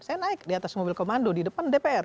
saya naik di atas mobil komando di depan dpr